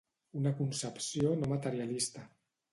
Una concepció no materialista.